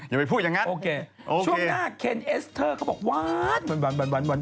อย่าไปพูดอย่างนั้นเฮ้ยโอเคช่วงหน้าเคนเอสเทอร์เขาบอกวานวานวานวานวาน